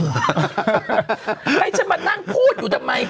ให้ฉันมานั่งพูดอยู่ทำไม